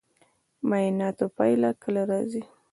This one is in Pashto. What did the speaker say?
د معایناتو پایله کله راځي؟